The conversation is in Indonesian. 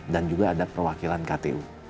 dan juga ada perwakilan ktu